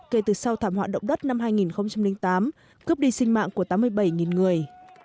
kể từ sau thảm họa động đất năm hai nghìn tám cướp đi sinh mạng của tám mươi bảy người